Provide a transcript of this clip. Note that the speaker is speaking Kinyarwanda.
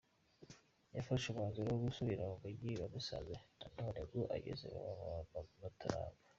Yafashe umwanzuro wo gusubira mu Mujyi wa Musanze na none ngo agezeyo aba mutaraga.